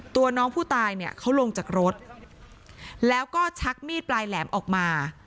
ตัวน้องผู้ตายเนี่ยเขาลงจากรถแล้วก็ชักมีดปลายแหลมออกมา